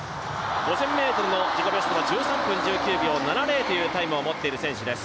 ５０００ｍの自己ベストは１３分１９秒７０というタイムを持っている選手です。